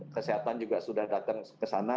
kesehatan juga sudah datang ke sana